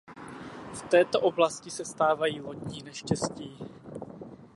V této oblasti se stávají lodní neštěstí.